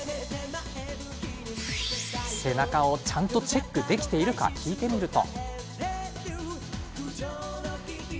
背中をちゃんとチェックできているか聞いてみると。